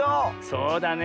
そうだね。